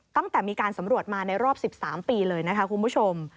ตั้งแต่มีการสำรวจมาในรอบ๑๓ปีเลยนะคะคุณผู้ชม